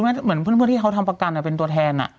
อันนี้เหมือนเพื่อนที่เขาทั้งประกันนะเป็นตัวแทน